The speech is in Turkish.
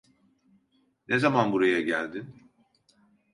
Ne zaman buraya geldin?